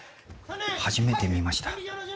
初めて見ました。